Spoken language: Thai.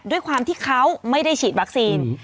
ด้วยความที่เขาไม่ได้ฉีดวัคซีน